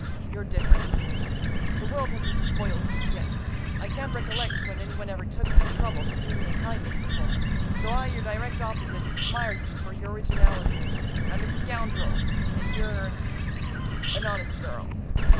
You're different, Miss Kane; the world hasn't spoiled you yet. I can't recollect when anyone ever took the trouble to do me a kindness before. So I, your direct opposite, admire you for your originality. I'm a scoundrel and you're a—an honest girl."